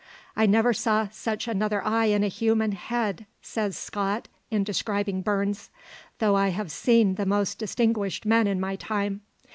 "I never saw such another eye in a human, head," says Scott in describing Burns, "though I have seen the most distinguished men in my time.